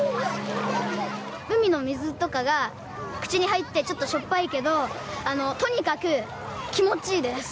海の水とかが口に入ってちょっと、しょっぱいけどとにかく気持ちいいです。